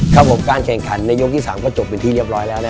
ครับผมการแข่งขันในยกที่๓ก็จบเป็นที่เรียบร้อยแล้วนะครับ